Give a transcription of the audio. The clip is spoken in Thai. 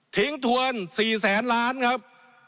ทวน๔แสนล้านครับ